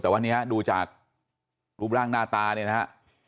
แต่วันนี้ดูจากรูปร่างหน้าตาเนี่ยนะฮะ